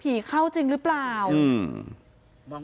พี่ทีมข่าวของที่รักของ